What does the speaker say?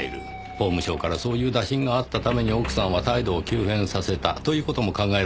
法務省からそういう打診があったために奥さんは態度を急変させたという事も考えられますねぇ。